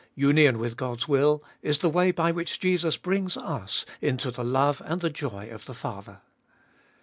Union with God's will is the way by which Jesus brings us in to the love and the joy of the Father.